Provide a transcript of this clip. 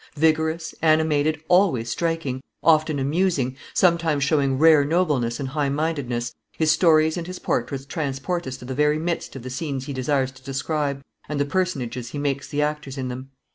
Vigorous, animated, always striking, often amusing, sometimes showing rare nobleness and high mindedness, his stories and his portraits transport us to the very midst of the scenes he desires to describe and the personages he makes the actors in them.